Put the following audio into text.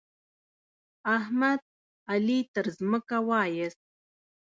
احمد؛ علي تر ځمکه واېست.